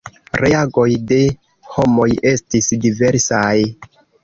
Reagoj de homoj estis diversaj.